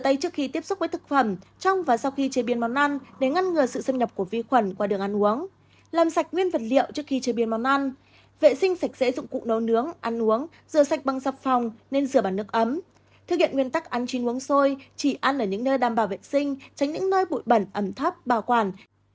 thực hiện nguyên tắc ăn chín uống xôi chỉ ăn ở những nơi đảm bảo vệ sinh tránh những nơi bụi bẩn ẩm thấp bảo quản